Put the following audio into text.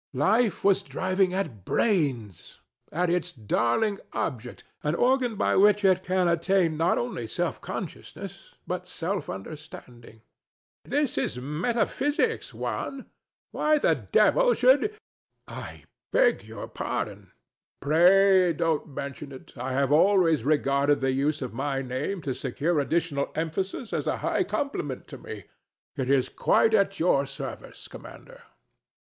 Life was driving at brains at its darling object: an organ by which it can attain not only self consciousness but self understanding. THE STATUE. This is metaphysics, Juan. Why the devil should [to the Devil] I BEG your pardon. THE DEVIL. Pray don't mention it. I have always regarded the use of my name to secure additional emphasis as a high compliment to me. It is quite at your service, Commander.